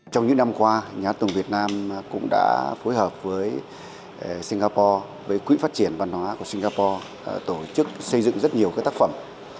trong những năm qua nhà hát tuồng việt nam cũng đã phối hợp với singapore với quỹ phát triển văn hóa của singapore tổ chức xây dựng rất nhiều tác phẩm